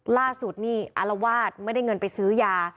ล่าสุดนี่อารวาสไม่ได้เงินไปซื้อยา